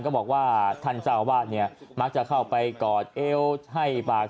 ก็บอกว่าท่านเจ้าวาดเนี่ยมักจะเข้าไปกอดเอวให้ปาก